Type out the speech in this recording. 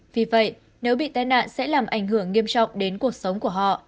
vì vậy nếu bị tai nạn sẽ làm ảnh hưởng nghiêm trọng đến cuộc sống của họ